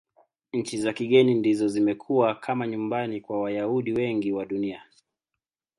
Nchi za kigeni ndizo zimekuwa kama nyumbani kwa Wayahudi wengi wa Dunia.